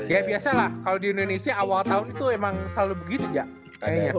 ya biasa lah kalau di indonesia awal tahun itu emang selalu begitu gak